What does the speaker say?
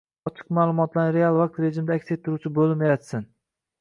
Ochiq ma’lumotlarni real vaqt rejimida aks ettiruvchi bo‘lim yaratsin.